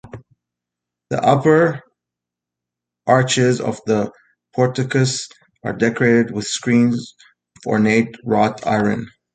The upper arches of the porticos are decorated with screens of ornate wrought iron.